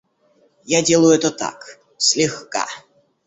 Я делаю это так, слегка.